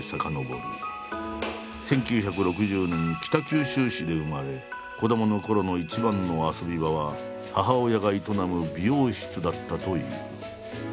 １９６０年北九州市で生まれ子どものころの一番の遊び場は母親が営む美容室だったという。